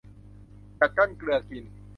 กัดก้อนเกลือกิน